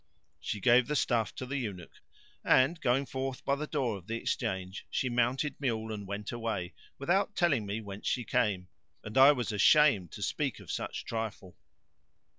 She gave the stuff to the eunuch and, going forth by the door of the Exchange, she mounted mule and went away, without telling me whence she came, and I was ashamed to speak of such trifle.